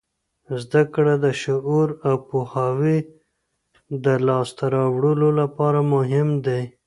زده کړه د شعور او پوهاوي د لاسته راوړلو لپاره مهم دی.